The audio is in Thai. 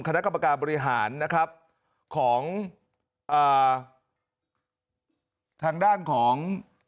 คณะกรรมการบริหารนะครับของทางด้านของ